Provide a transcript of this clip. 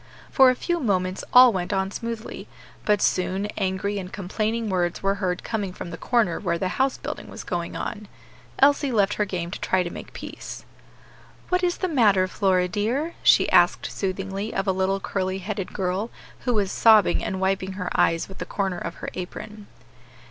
For a few moments all went on smoothly; but soon angry and complaining words were heard coming from the corner where the house building was going on. Elsie left her game to try to make peace. "What is the matter, Flora, dear?" she asked soothingly of a little curly headed girl, who was sobbing, and wiping her eyes with the corner of her apron.